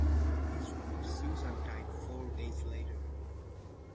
His wife Susan died four days later.